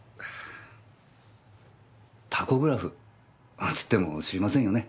タコグラフつっても知りませんよね？